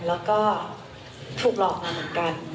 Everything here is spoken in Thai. แล้วก็ถูกหลอกมาเหมือนกัน